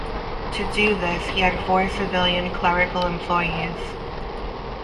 To do this he had four civilian clerical employees.